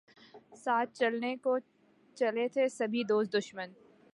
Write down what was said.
ساتھ چلنے کو چلے تھے سبھی دوست دشمن